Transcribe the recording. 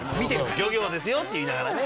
「漁業ですよ」って言いながらね。